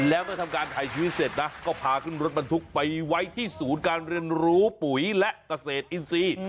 แล้วเมื่อทำการถ่ายชีวิตเสร็จนะก็พาขึ้นรถบรรทุกไปไว้ที่ศูนย์การเรียนรู้ปุ๋ยและเกษตรอินทรีย์